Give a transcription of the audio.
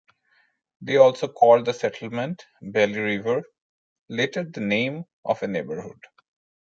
They also called the settlement "Belle River", later the name of a neighborhood.